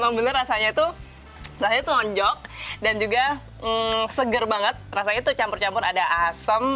benar benar rasanya itu r steven djok dan juga seger banget rasanya tuh campur campur ada asem